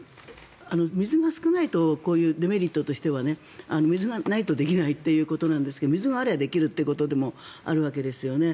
水が少ないとデメリットとしては水がないとできないということなんですが水があればできるということでもあるわけですよね。